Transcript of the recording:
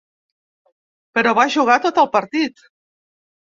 Però va jugar tot el partit.